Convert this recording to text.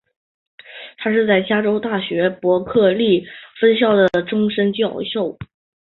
他是在加州大学伯克利分校的终身教授。